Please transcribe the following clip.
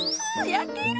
焼ける！